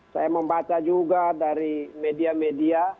saya membaca juga dari media media